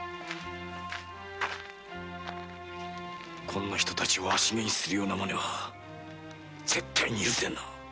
こんな人たちを足げにするようなマネは絶対に許せんな。